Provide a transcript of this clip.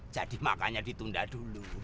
jadi makanya ditunda dulu ya